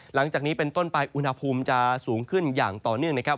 หลังจากนี้เป็นต้นไปอุณหภูมิจะสูงขึ้นอย่างต่อเนื่องนะครับ